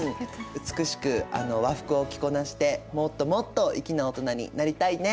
美しく和服を着こなしてもっともっと粋な大人になりたいね！